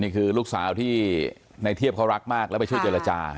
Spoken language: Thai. ลูกสาวที่ในเทียบเขารักมากแล้วไปช่วยเจรจา